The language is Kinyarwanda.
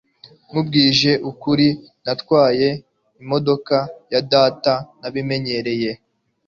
nkubwije ukuri, natwaye imodoka ya data ntabinyemereye